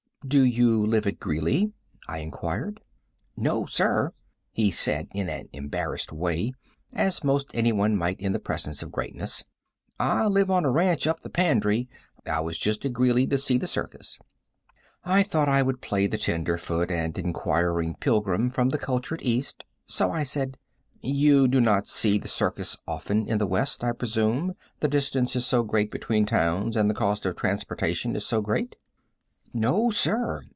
"Do you live at Greeley?" I inquired. "No, sir," he said, in an embarrassed way, as most anyone might in the presence of greatness. "I live on a ranch up the Pandre. I was just at Greeley to see the circus." I thought I would play the tenderfoot and inquiring pilgrim from the cultured East, so I said: "You do not see the circus often in the West, I presume, the distance is so great between towns and the cost of transportation is so great?" "No, sir.